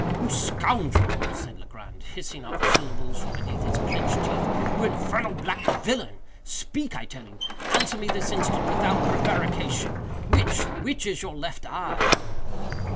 "You scoundrel," said Legrand, hissing out the syllables from between his clenched teeth—"you infernal black villain!—speak, I tell you!—answer me this instant, without prevarication!—which—which is your left eye?"